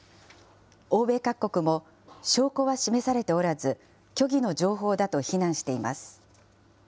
欧米各国も、証拠は示されておらず、虚偽の情報だと非難しています。